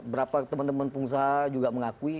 berapa teman teman pengusaha juga mengakui